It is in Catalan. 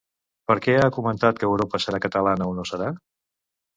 Per què ha comentat que Europa serà catalana o no serà?